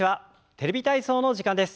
「テレビ体操」の時間です。